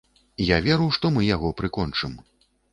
Я веру, што мы яго прыкончым.